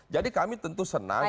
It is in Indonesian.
jadi kami tentu senang